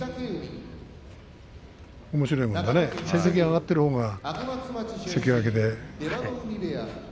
おもしろいもんだね成績が挙がっているほうが関脇で。